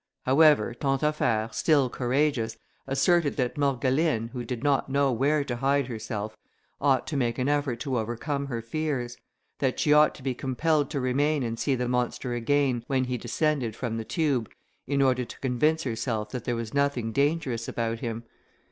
However, Tantaffaire, still courageous, asserted that Morgeline, who did not know where to hide herself, ought to make an effort to overcome her fears; that she ought to be compelled to remain and see the monster again when he descended from the tube, in order to convince herself that there was nothing dangerous about him.